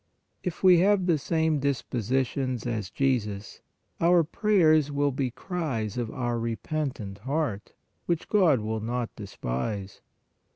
If we have the same dispositions as Jesus, our prayers will be cries of our repentant heart which God will not despise.